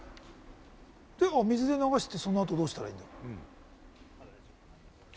水で流して、そのあとどうしたらいいんだろう？